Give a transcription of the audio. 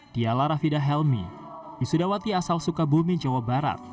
dialah rafidah helmi wisudawati asal sukabumi jawa barat